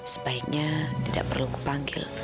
sebaiknya tidak perlu kupanggil